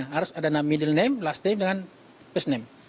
harus ada middle name last name dengan first name